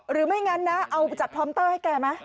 หรือไม่งั้นนะเอาจัดพร้อมเตอร์ให้แกไหม